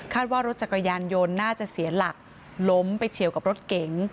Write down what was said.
ว่ารถจักรยานยนต์น่าจะเสียหลักล้มไปเฉียวกับรถเก๋ง